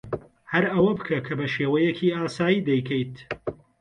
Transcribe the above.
ھەر ئەوە بکە کە بە شێوەیەکی ئاسایی دەیکەیت.